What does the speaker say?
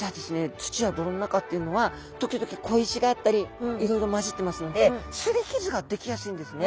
土や泥の中っていうのは時々小石があったりいろいろまじってますのですり傷ができやすいんですね。